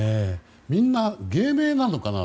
みんな、芸名なのかな。